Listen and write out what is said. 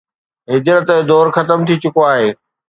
هجرت جو دور ختم ٿي چڪو آهي